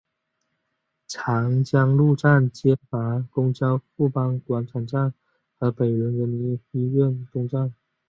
长江路站接驳公交富邦广场站和北仑人民医院东站。